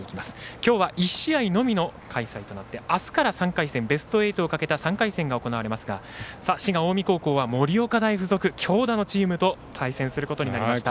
今日は１試合のみの開催となってあすからベスト８をかけた３回戦が行われますが滋賀・近江高校は盛岡大付属強打のチームと対戦することになりました。